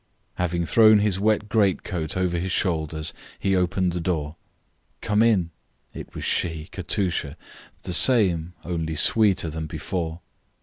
Having thrown his wet greatcoat over his shoulders, he opened the door. "Come in." It was she, Katusha, the same, only sweeter than before.